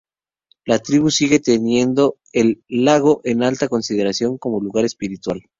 La tribu sigue teniendo al lago en alta consideración como lugar espiritual.